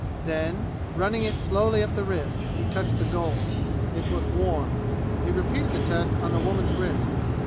Then, running it slowly up the wrist, he touched the gold. It was warm. He repeated the test on the woman's wrist.